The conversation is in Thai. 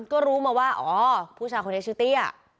ก็รู้มาว่าอ๋อผู้ชายคนนี้ชื่อเตี้ย